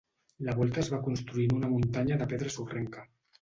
La volta es va construir en una muntanya de pedra sorrenca.